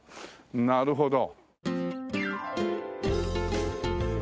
なるほど。